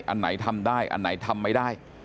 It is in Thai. อันไหนทำได้อันไหนทำไม่ได้